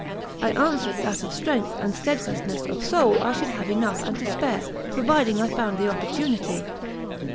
I answered that of strength and steadfastness of soul I should have enough and to spare, provided I found the opportunity.